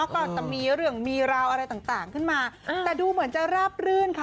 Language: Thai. ก็จะมีเรื่องมีราวอะไรต่างขึ้นมาแต่ดูเหมือนจะราบรื่นค่ะ